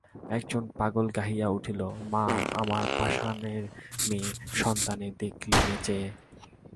একজন পাগল গাহিয়া উঠিল- মা আমার পাষাণের মেয়ে সন্তানে দেখলি নে চেয়ে।